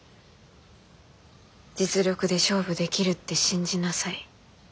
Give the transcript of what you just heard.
実力で勝負できるって信じなさい。